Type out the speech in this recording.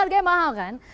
harga yang mahal kan